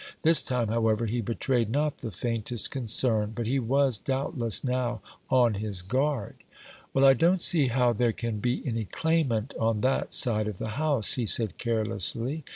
This time, however, he betrayed not the faintest concern; but he was doubtless now on his guard. "Well, I don't see how there can be any claimant on that side of the house," he said carelessly.